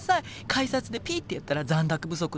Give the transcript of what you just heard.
改札でピッてやったら残高不足でね。